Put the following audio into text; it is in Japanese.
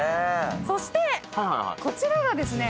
そしてこちらがですね